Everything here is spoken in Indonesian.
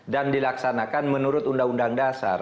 dan dilaksanakan menurut undang undang dasar